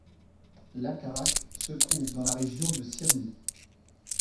Laćarak se trouve dans la région de Syrmie.